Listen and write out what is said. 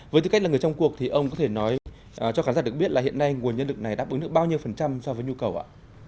với tư cách là người trong cuộc thì ông có thể nói cho khán giả được biết là hiện nay nguồn nhân lực này đáp ứng được bao nhiêu phần trăm so với nhu cầu ạ